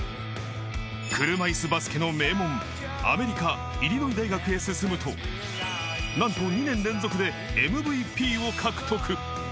車いすバスケの名門、アメリカ・イリノイ大学へ進むと、なんと２年連続でＭＶＰを獲得。